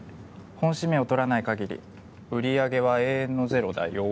本指名を取らない限り売り上げは永遠のゼロだよ。